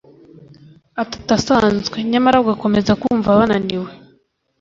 atatu asanzwe, nyamara bagakomeza kumva bananiwe,